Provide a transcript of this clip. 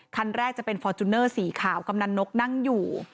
คันแรกจะเป็นฟอร์จูเนอร์สีขาวกำนันนกนั่งอยู่